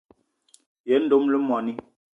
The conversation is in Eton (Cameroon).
Yen dom le moní.